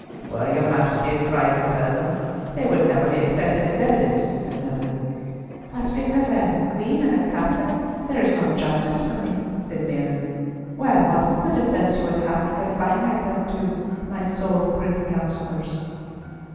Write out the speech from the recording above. "Were your Majesty a private person they would never be accepted as evidence," said Melville; "but—" "But because I am a Queen and a Catholic there is no justice for me," said Mary. "Well, what is the defence you would have me confine myself to, my sole privy counsellors?"